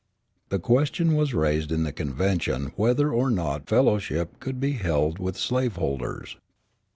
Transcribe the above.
The question was raised in the convention whether or not fellowship should be held with slaveholders.